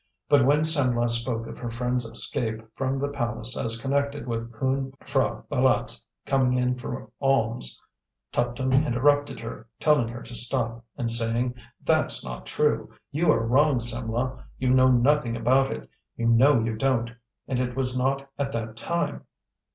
But when Simlah spoke of her friend's escape from the palace as connected with Khoon P'hra Bâlât's coming in for alms, Tuptim interrupted her, telling her to stop, and saying: "That's not true. You are wrong, Simlah, you know nothing about it. You know you don't. And it was not at that time."